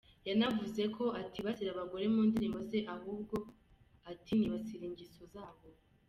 Yanavuze ko atibasira abagore mu ndirimbo ze ahubwo ati “Nibasira ingeso zabo.